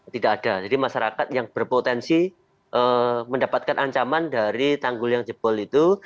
tidak ada jadi masyarakat yang berpotensi mendapatkan ancaman dari tanggul yang jebol itu